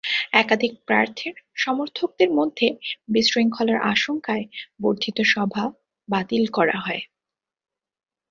একাধিক প্রার্থীর সমর্থকদের মধ্যে বিশৃঙ্খলার আশঙ্কায় বর্ধিত সভা বাতিল করা হয়।